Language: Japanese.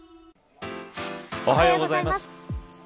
おはようございます。